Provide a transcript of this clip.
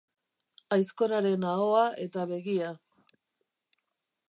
Aizkoraren ahoa eta begia.